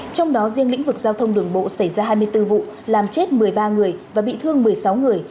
trong đó riêng lĩnh vực giao thông đường bộ xảy ra hai mươi bốn vụ làm chết một mươi ba người và bị thương một mươi sáu người